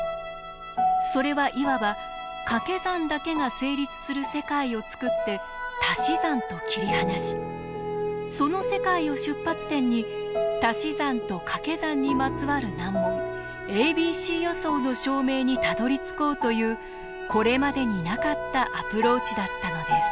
それはいわばかけ算だけが成立する世界を作ってたし算と切り離しその世界を出発点にたし算とかけ算にまつわる難問ａｂｃ予想の証明にたどりつこうというこれまでになかったアプローチだったのです。